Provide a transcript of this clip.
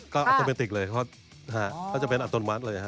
ก็ออโตเมติกเลยเขาจะเป็นอัตโนมัติเลยฮ